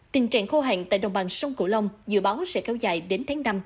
tình trạng khô hạn tại đồng bằng sông cửu long dự báo sẽ kéo dài đến tháng năm